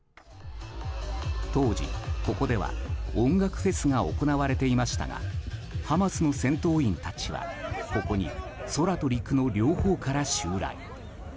当時、ここでは音楽フェスが行われていましたがハマスの戦闘員たちはここに、空と陸の両方から襲来。